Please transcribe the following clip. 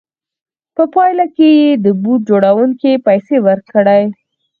په پایله کې یې د بوټ جوړوونکي پیسې ورکړې